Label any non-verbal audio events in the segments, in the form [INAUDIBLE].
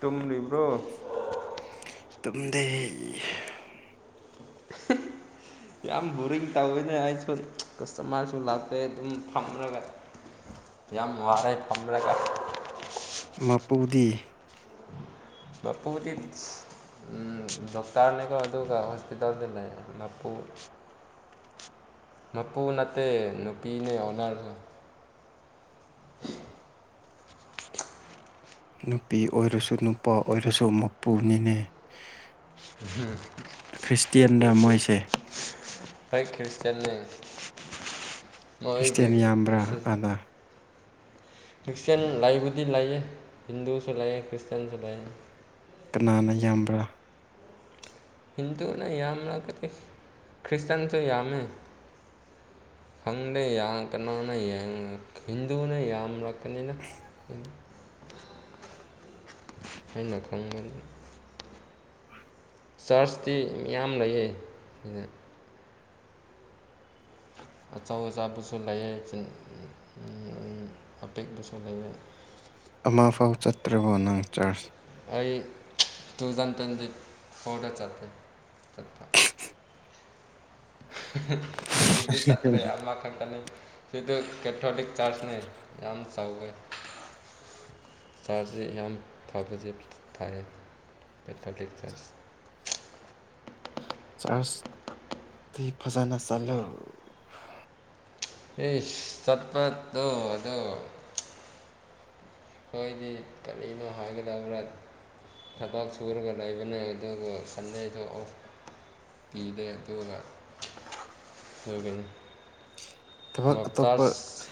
ꯇꯨꯝꯕ꯭ꯔꯣ ꯇꯝꯗ ꯌꯥꯝ ꯕꯣꯔꯤꯡ ꯇꯧꯋꯤꯅꯦ ꯑꯩꯁꯨ ꯀꯁꯇꯃꯥꯔꯁꯨ ꯂꯥꯛꯇꯦ ꯑꯗꯨꯝ ꯐꯝꯔꯒ ꯌꯥꯝ ꯋꯥꯔꯦ ꯐꯝꯔꯒ ꯃꯄꯨꯗꯤ ꯄꯨꯕꯨꯗꯤ ꯎ ꯗꯣꯛꯇꯔꯅꯦ ꯀ ꯑꯗꯨꯒ ꯍꯣꯁꯄꯤꯇꯥꯜꯗ ꯂꯩꯄꯨ [INAUDIBLE] ꯃꯄꯨ ꯅꯠꯇꯦ ꯅꯨꯄꯤꯅꯦ ꯑꯣꯟꯅꯔꯁ [INAUDIBLE] ꯅꯨꯄꯤ ꯑꯣꯏꯔꯁꯨ ꯅꯨꯄꯥ ꯑꯣꯏꯔꯁꯨ ꯃꯄꯨꯅꯤꯅꯦ ꯈ꯭ꯔꯤꯁꯇꯦꯟꯗ ꯃꯣꯏꯁꯦ ꯊꯀꯤꯌꯨ ꯆꯟꯅꯩ ꯃꯣꯏꯒꯤ ꯈ꯭ꯔꯤꯁꯇꯦꯟ ꯌꯥꯝꯕ꯭ꯔꯥ ꯑꯥꯗ ꯀ꯭ꯔꯤꯁꯇꯟ ꯂꯏꯕꯗꯤ ꯂꯥꯏꯌꯦ ꯍꯤꯟꯗꯨꯁꯨ ꯂꯥꯏꯌꯦ ꯀ꯭ꯔꯤꯁꯇꯟꯁꯨ ꯂꯑ ꯀꯅꯥꯅ ꯌꯥꯝꯕ꯭ꯔꯥ ꯍꯤꯟꯗꯨꯅ ꯌꯥꯝꯅ ꯀ ꯈ꯭ꯔꯤꯁꯇꯟꯁꯨ ꯌꯥꯝꯃꯦ ꯐꯪꯗꯦ ꯌꯥꯝ ꯀꯅꯥꯅ ꯍꯤꯟꯗꯨꯅ ꯌꯥꯝꯂꯛꯀꯅꯤꯅ ꯍꯩꯅ ꯈꯪ ꯆꯔꯆꯇꯤ ꯌꯥꯝꯌꯥꯝ ꯂꯩꯌꯦ ꯁꯤꯗ ꯑꯆꯧ ꯑꯆꯥꯕꯁꯨ ꯂꯩꯌꯦ ꯑꯄꯤꯛꯄꯥꯁꯨ ꯂꯩꯌꯦ ꯑꯃ ꯐꯥꯎ ꯆꯠꯇ꯭ꯔꯕꯣ ꯅꯪ ꯆꯥꯔꯖ ꯑꯩ ꯇꯨꯖꯟ ꯇꯦꯟꯗꯤ ꯐꯧꯗ ꯆꯠꯇꯦ ꯃꯦꯖꯤꯛꯇꯥ ꯆꯇꯔ꯭ꯦ ꯑꯃ ꯈꯥꯟ ꯀꯩꯅꯣ ꯑꯦꯟꯊꯥꯔꯇꯤꯛ ꯆꯥꯔꯁꯅꯦ ꯌꯥꯝꯅꯥ ꯆꯥꯎꯋꯦ ꯆꯥꯔꯖꯁ ꯌꯥꯝ ꯐꯕꯁꯦ ꯊꯥꯏꯔꯦ ꯄꯠ ꯇꯥꯠꯂꯦ꯫ ꯑꯁ ꯗꯤ ꯐꯖꯅ ꯆꯠꯂꯣ ꯑꯦ ꯆꯠꯄꯗꯣꯗꯣ ꯑꯩꯈꯣꯏꯗꯤ ꯀꯔꯤꯅꯣ ꯍꯥꯏꯒꯗꯕ꯭ꯔꯥ ꯊꯕꯛ ꯁꯨꯔꯒ ꯂꯩꯕꯅꯦ ꯑꯗꯨꯒ ꯁꯟꯗꯦꯗꯣ ꯑꯣꯞ ꯄꯤꯗꯦ ꯑꯗꯨꯅ ꯑꯗꯨꯒꯤꯅꯤ ꯊꯕꯛ ꯑꯇꯣꯞꯄ ꯃꯣꯝꯇꯥꯖ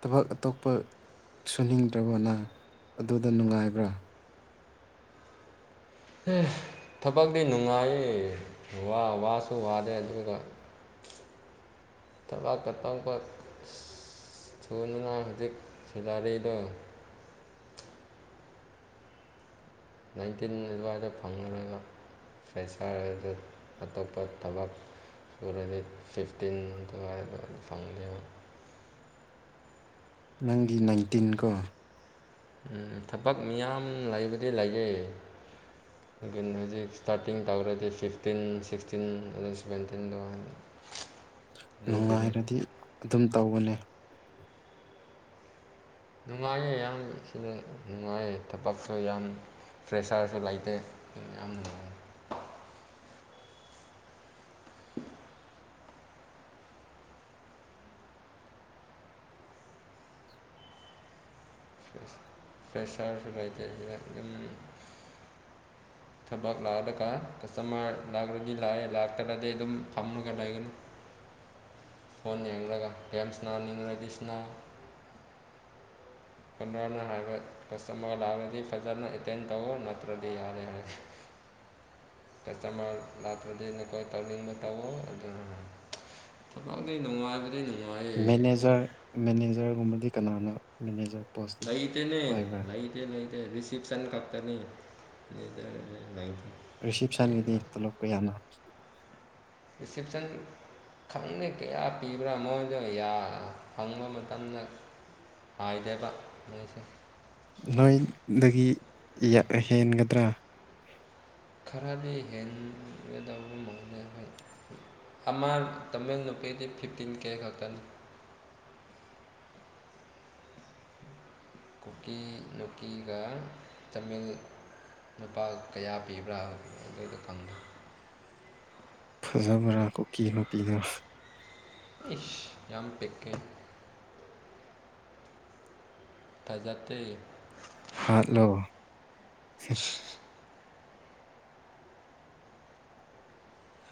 ꯊꯕꯛ ꯑꯇꯣꯞꯄ ꯁꯨꯅꯤꯡꯗ꯭ꯔꯕꯣ ꯅꯪ ꯑꯗꯨꯗ ꯅꯨꯡꯉꯥꯏꯕ꯭ꯔꯥ ꯊꯕꯛꯇꯤ ꯅꯨꯡꯉꯥꯏ ꯋꯥ ꯋꯥꯁꯨ ꯋꯥꯗꯦ ꯑꯗꯨꯒ ꯊꯕꯛ ꯑꯇꯣꯞꯄꯥꯥ ꯊꯨꯗꯨꯅ ꯍꯧꯖꯤꯛ ꯁꯦꯂꯥꯔꯤꯗꯣ ꯅꯥꯏꯟꯇꯤꯟ ꯑꯗꯨꯋꯥꯏꯗ ꯐꯪꯈ꯭ꯔꯒ ꯐꯩꯁꯥꯔꯗ ꯑꯇꯣꯞꯄ ꯊꯕꯛ ꯁꯣꯔꯗꯤ ꯐꯤꯐꯇꯤꯟꯗꯨ ꯐꯪꯂꯤ ꯅꯪꯒꯤ ꯅꯥꯏꯟꯇꯤꯟ ꯀꯣ ꯎꯝ ꯊꯕꯛ ꯃꯤꯌꯥꯝ ꯂꯩꯕꯗꯤ ꯂꯩꯌꯦ ꯑꯗꯨ ꯍꯧꯖꯤꯛ ꯏꯁꯇꯥꯔꯇꯤꯡ ꯇꯧꯔꯗꯤ ꯐꯤꯐꯇꯤꯟ ꯁꯤꯛꯁꯇꯤꯟ ꯑꯗꯨ ꯁꯚꯦꯟꯇꯤꯟꯗꯣ ꯅꯨꯡꯉꯥꯏꯔꯗꯤ ꯑꯗꯨꯝ ꯇꯧꯒꯅꯦ ꯅꯨꯡꯉꯥꯏꯌꯦ ꯌꯥꯝ ꯁꯤꯗ ꯅꯨꯡꯉꯥꯏꯌꯦ ꯊꯕꯛꯁꯨ ꯌꯥꯝ ꯐ꯭ꯔꯦꯁꯥꯔꯁꯨ ꯂꯩꯇꯦ ꯌꯥꯝ ꯅꯨꯡꯉꯥꯏ ꯄ꯭ꯔꯦꯁꯥ ꯕꯥꯏꯩ ꯑꯦꯝ ꯊꯕꯛ ꯂꯥꯛꯑꯗꯒ ꯀꯁꯇꯃꯔ ꯂꯥꯛꯂꯗꯤ ꯂꯥꯛꯑꯦ ꯂꯥꯛꯇ꯭ꯔꯗꯤ ꯑꯗꯨꯝ ꯐꯝꯃꯒ ꯂꯩꯒꯅꯤ ꯐꯣꯟꯣꯟ ꯌꯦꯡꯂꯒ ꯇꯥꯏꯝꯁꯅꯅꯤꯅ ꯂꯩꯗꯤꯁꯅ‌ꯦ ꯍꯥꯏ ꯀꯇ ꯂꯔꯗꯤ ꯐꯖꯅ ꯑꯦꯇꯦꯟ ꯇꯧꯋ ꯅꯠꯇ꯭ꯔꯗꯤ ꯌꯥꯔꯦ ꯍꯥꯏꯔꯦ ꯀꯁꯇꯃꯔꯅ ꯀꯣꯏ ꯇꯧ ꯇꯕ ꯑꯗꯨ ꯊꯛ ꯅꯨꯡꯉꯥꯏꯕ ꯃꯦꯅꯦꯖꯔ ꯃꯦꯅꯦꯖꯔꯒꯨꯝꯕꯗꯤ ꯀꯅꯥꯅꯣ ꯃꯦꯅꯦꯖꯔ ꯄꯣꯁꯇꯤ ꯂꯏꯇꯅꯦ ꯄꯥꯏꯕ꯭ꯔꯥ ꯂꯩꯥꯏꯇ ꯂꯩꯇ ꯆꯤꯞꯁ ꯑꯅꯤ ꯀꯄꯇꯥꯅꯤꯥ ꯔꯤꯁꯤꯞꯁꯟꯒꯤꯗꯤ ꯇꯂꯞꯄ ꯌꯥꯅ ꯔꯤꯁꯦꯞꯁꯟ ꯈꯪꯗꯦ ꯀꯌꯥ ꯄꯤꯕ꯭ꯔꯥ ꯃꯣꯏꯗ ꯐꯪꯕ ꯃꯇꯝꯗ ꯍ ꯏꯗꯦꯕꯁ ꯅꯣꯏꯗꯒꯤ ꯍꯦꯟꯒꯗ꯭ꯔꯥ ꯈꯔꯗꯤ ꯍꯦꯟꯒꯗꯕ ꯃꯣꯏ ꯑꯃ ꯇꯃꯦꯡꯂ ꯅꯨꯨꯄꯤ ꯐꯤꯐꯇꯤꯟ ꯀꯦ ꯈꯥꯛꯇꯥꯅꯤ ꯀꯨꯀꯤ ꯅꯨꯨꯀꯤꯒ ꯇꯥꯃꯤꯜ ꯅꯨꯄꯥ ꯀꯌꯥ ꯄꯤꯕ꯭ꯔꯥ ꯑꯗꯨꯗ ꯈꯪꯗꯦ ꯕꯥꯡ ꯀꯨꯀꯤ ꯅꯨꯄꯤꯗ ꯏꯁ ꯌꯥꯝ ꯄꯤꯛꯦ ꯊꯥꯖꯥꯗꯦ ꯍꯥꯂꯣ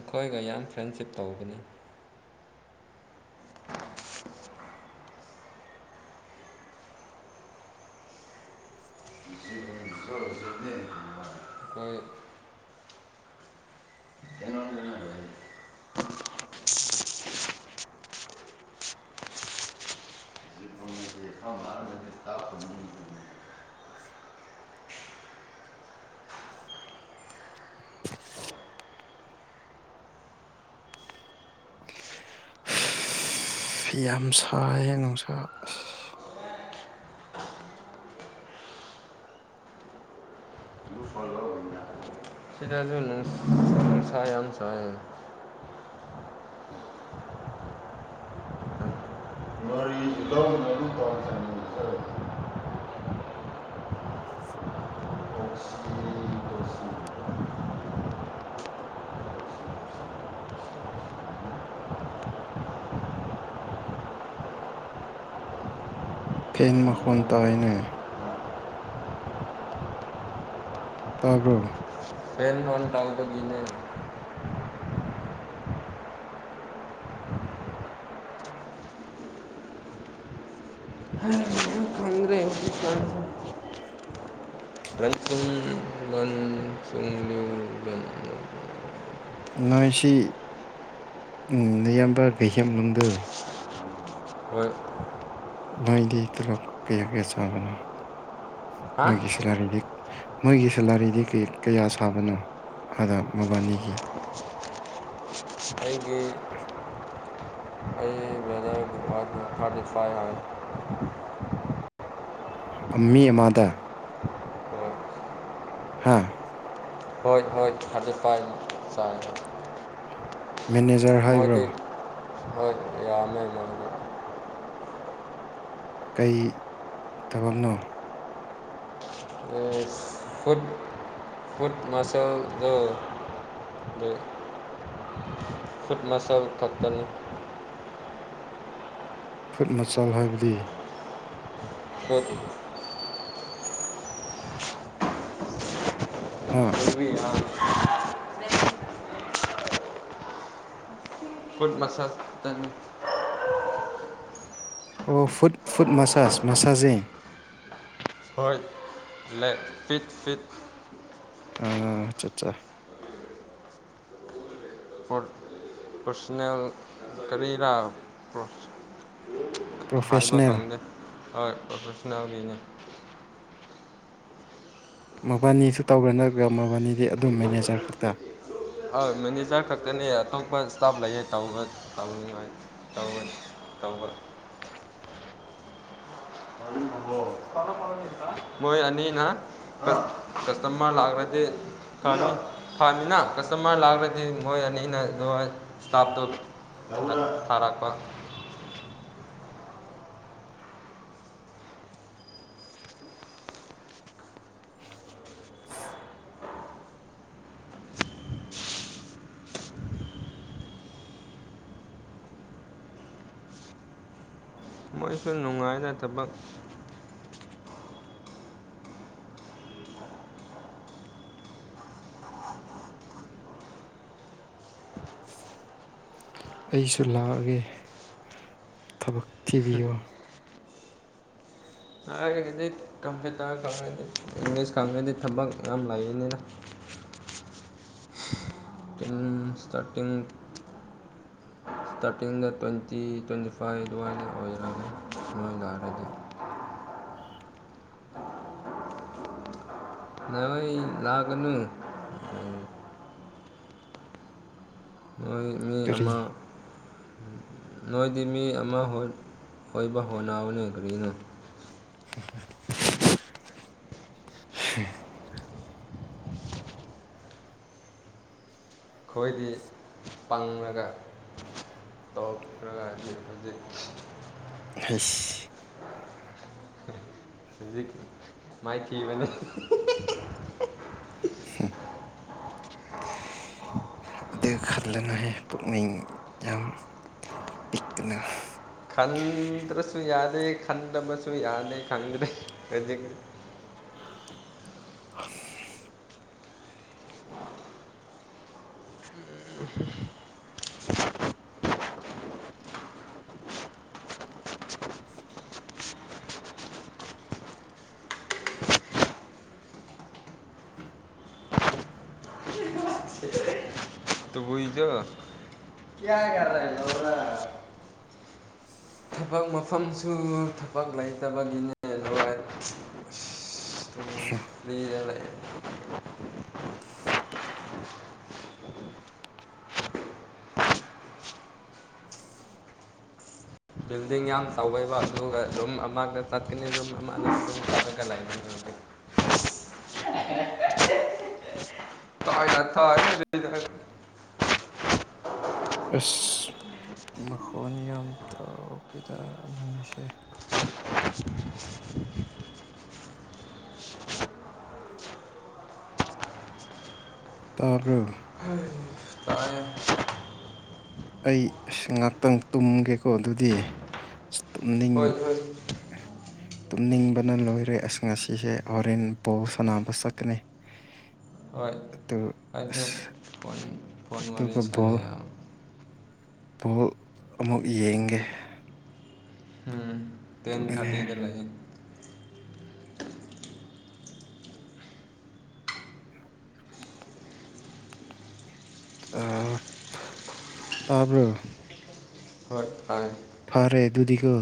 ꯑꯩꯈꯣꯏꯒ ꯌꯥꯝ ꯐ꯭ꯔꯦꯟꯁꯤꯞ ꯇꯧꯕꯅꯤ [UNINTELLIGIBLE] ꯖꯤꯕ ꯁꯅꯤ ꯑꯩꯣꯏ ꯌꯦꯉ [UNINTELLIGIBLE] ꯌꯥꯝ ꯁꯥꯏ ꯍ ꯅꯨꯡꯁꯥ ꯁꯤꯗ ꯁꯝ ꯁꯝ ꯃꯔꯤ ꯏꯗꯣ ꯃꯝ ꯇꯉ ꯈꯁꯤ ꯈꯁꯤ ꯐꯤꯟ ꯃꯈꯟ ꯇꯏꯅꯦ ꯇꯥꯕꯜ ꯐꯦꯟ ꯍꯣꯟ ꯇꯥꯡꯗ ꯅꯦ ꯈ꯭ꯔꯦ ꯔꯟ ꯅꯣꯏꯁꯤ ꯅꯌꯥꯝꯕ ꯕꯍꯦꯝꯂꯨꯝꯗ ꯍꯣꯏ ꯃꯣꯏꯗꯤ ꯇꯂꯣꯞ ꯀꯌꯥ ꯀꯌꯥ ꯆꯥꯕꯅꯣ ꯍꯥ ꯃꯣꯏꯒꯤ ꯁꯦꯂꯔꯤꯗꯤ ꯃꯣꯏꯒꯤ ꯁꯦꯂꯥꯔꯤꯗꯤ ꯀꯌꯥ ꯁꯥꯕꯅꯣ ꯑꯥꯗ ꯃꯕꯥꯅꯤꯒꯤ ꯑꯩꯒꯤ ꯈꯔꯥꯏ ꯍꯥꯏ ꯑꯝꯃꯤ ꯑꯃꯥꯗꯥ ꯍꯣꯏ ꯍꯥꯥ ꯍꯣꯏ [UNINTELLIGIBLE] ꯃꯦꯅꯦꯖꯔ ꯍꯥꯏꯕ꯭ꯔꯥ ꯃꯣꯏꯗꯤ ꯍꯣꯏ ꯌꯥꯃꯦ ꯃꯔꯒ ꯀꯩ ꯊꯕꯛꯅꯣ ꯐꯨꯗ ꯐꯨꯠ ꯃꯥꯁꯦꯜꯗ ꯐꯨꯠ ꯃꯁꯜ ꯊꯛꯛꯇꯅꯤ ꯐꯨꯠ ꯃꯆꯥꯜ ꯍꯥꯏꯕꯗꯤ ꯍ ꯍꯥꯥ ꯐꯨꯠ ꯃꯁꯥ ꯇ ꯑꯣ ꯐꯨꯠ ꯐꯨꯠ ꯃꯁꯥꯁ ꯃꯁꯖꯦ ꯍꯣꯏ ꯂꯦ ꯐ ꯐ ꯑ ꯑꯆꯥꯆꯥ ꯑꯠꯆꯥ ꯄ ꯄꯣꯁꯅꯦꯜ ꯀꯔꯤꯔ ꯄꯣ ꯍꯥꯏꯕ ꯄ꯭ꯔꯣꯐꯦꯁꯅꯦꯜ ꯈꯪꯗꯦ ꯍꯣꯏ ꯄ꯭ꯔꯣꯐꯦꯁꯅꯦꯜꯒꯤꯅꯦ ꯃꯕꯥꯅꯤꯁꯨ ꯇꯧꯕ꯭ꯔꯥ ꯅꯠꯇ꯭ꯔꯒ ꯃꯕꯥꯅꯤꯗꯤ ꯑꯗꯨꯝ ꯃꯦꯅꯦꯖꯔ ꯈꯛꯇ ꯍꯣꯏ ꯃꯦꯅꯦꯖꯔ ꯈꯛꯇꯅꯦ ꯑꯇꯣꯞꯄ ꯏꯁꯇꯥꯐ ꯂꯩꯌꯦ ꯇ ꯇꯧꯅꯤꯡꯉꯥꯏ ꯇꯧꯒꯅꯤ ꯇꯧꯕ ꯃꯣꯏ ꯑꯅꯤꯅ ꯀꯁꯇꯃꯔ ꯂꯥꯛꯈ꯭ꯔꯗꯤ ꯐꯃꯤꯅ ꯀꯁꯇꯃꯔ ꯂꯥꯛꯈ꯭ꯔꯗꯤ ꯃꯣꯏ ꯑꯅꯤ ꯑꯅ ꯏꯁꯇꯥꯞꯇꯨ ꯊꯥꯔꯛꯄ ꯃꯣꯏꯁꯨ ꯅꯨꯡꯉꯥꯏꯅ ꯊꯕꯛ ꯑꯩꯁꯨ ꯂꯥꯛꯑꯒꯦ ꯊꯕꯛ ꯊꯤꯕꯤꯌꯣ ꯍꯥꯏꯔꯒꯗꯤ ꯀꯝꯄ꯭ꯌꯨꯇꯔ ꯈꯪꯉꯗꯤ ꯏꯪꯂꯤꯁ ꯈꯪꯉꯗꯤ ꯊꯕꯛ ꯌꯥꯝ ꯂꯩꯕꯅꯤꯅ ꯁꯇꯥꯔꯇꯤꯡ ꯏꯁꯇꯥꯔꯇꯤꯡꯗ ꯇ꯭ꯋꯦꯟꯇꯤ ꯇ꯭ꯋꯦꯟꯇꯤ ꯐꯥꯏꯚ ꯑꯗꯨꯋꯥꯏꯗ ꯑꯣꯏꯔꯒꯦ ꯅꯣꯏꯗ ꯍꯥꯏꯔꯗꯤ ꯎ ꯅ ꯂꯥꯛꯅꯨ ꯃꯣꯏ ꯃꯤ ꯀꯔꯤ ꯑꯃ ꯅꯣꯏꯗꯤ ꯃꯤ ꯑꯃ ꯑꯣꯏꯕ ꯍꯣꯠꯅꯕꯅꯦ ꯀꯔꯤꯅꯣ [INAUDIBLE] ꯎ ꯑꯣꯏꯗꯤ ꯄꯪꯉꯒ ꯇꯧꯔꯉꯥꯏꯗꯤ ꯍꯧꯖꯤꯛ ꯐꯦꯁ ꯍꯧꯖꯤꯛ ꯃꯥꯏꯊꯤꯕꯅꯦ ꯍꯨꯝ, [INAUDIBLE] ꯑꯗꯨ ꯈꯜꯂꯅꯍꯦ ꯄꯨꯛꯅꯤꯡ ꯌꯥꯝ ꯄꯤꯛꯅ ꯈꯟꯗ꯭ꯔꯁꯨ ꯌꯥꯔ ꯗꯦ ꯈꯟꯗ ꯃꯁꯨ ꯌꯥꯗꯦ ꯈꯟꯗ ꯑ ꯇꯕꯨꯏꯗꯣ ꯀꯌꯥꯒꯔ ꯊꯕꯛ ꯃꯐꯝꯁꯨ ꯊꯕꯛ ꯂꯩꯇꯕꯒꯤꯅꯦ ꯂꯣꯏ ꯍꯨꯝ, ꯐꯔꯤꯗ ꯂꯩ ꯕꯤꯜꯗꯤꯡ ꯌꯥꯝ ꯆꯥꯎꯋꯩꯕ ꯑꯗꯨꯒ ꯔꯨꯝ ꯑꯃꯗ ꯆꯠꯀꯅꯤꯗꯨꯝ ꯑꯃ ꯑꯗꯨ ꯆꯠꯂ ꯂꯩꯅꯤ [UNINTELLIGIBLE] ꯑꯁ ꯃꯈꯣꯟꯅꯤ ꯌꯥꯝ ꯇꯧꯈꯤꯗ ꯅꯪꯉꯤꯁꯦ ꯇꯥꯕ꯭ꯔꯨ ꯇꯥꯏ ꯑꯩ ꯉꯍꯥꯛꯇꯪ ꯇꯨꯝꯒꯦꯀꯣ ꯑꯗꯨꯗꯤ ꯑꯁ ꯇꯨꯝꯅꯤꯡ ꯍꯣꯏ ꯍꯣꯏ [INAUDIBLE] ꯇꯨꯝꯅꯤꯡꯕꯅ ꯂꯣꯏꯔꯦ ꯑꯁ ꯉꯁꯤꯁꯦ ꯍꯣꯔꯦꯟ ꯕꯣꯜ ꯁꯥꯅꯕ ꯆꯠꯀꯅꯤ ꯍꯣꯏ ꯑꯗꯨ ꯑꯩꯖ ꯑꯁ ꯑꯗꯨꯒ ꯐꯔꯦꯁꯒꯦ ꯕꯣꯜ ꯌꯥꯝ ꯕꯣꯜ ꯑꯃꯨꯛ ꯌꯦꯡꯒꯦ ꯎꯝ ꯇꯦꯟ ꯑꯗꯨꯒꯅꯦ ꯊꯥꯔꯇꯤꯗ ꯂꯩꯑꯦ ꯑ ꯇꯥꯕ꯭ꯔ ꯍ ꯑꯔꯦ ꯑꯗꯨꯗꯤꯀ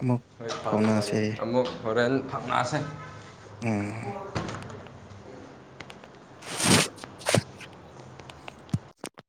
ꯑꯃꯨꯛ ꯍꯣꯏ ꯐꯔꯦ ꯐꯥꯎꯅꯥꯁ ꯐꯔꯦ ꯑꯃꯨꯛ ꯍꯣꯔꯦꯟ ꯐꯪꯅꯥꯁꯦ ꯎꯝ